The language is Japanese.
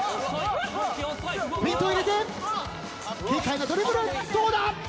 フェイントを入れて軽快なドリブルどうだ？